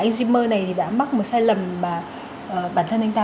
anh jimmer này đã mắc một sai lầm mà bản thân anh ta